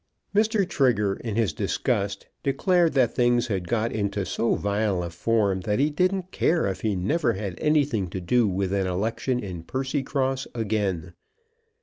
Mr. Trigger, in his disgust, declared that things had got into so vile a form that he didn't care if he never had anything to do with an election in Percycross again.